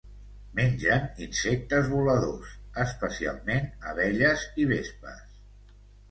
Mengen insectes voladors, especialment abelles i vespes.